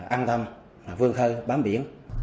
an tâm vương khơi bám biển